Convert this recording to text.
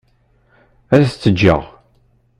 Ad s-t-ǧǧeɣ.